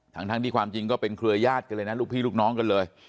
ทั้งที่ความจริงก็เป็นเครือญาติกันเลยนะลูกพี่ลูกน้องกันเลย